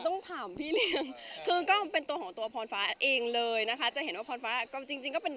ซึ่งหมายความว่ามาตรฐานเราจะต้องสูงไว้ก่อนมันเป็นมาตรฐานที่แข่งกับตัวเองค่ะ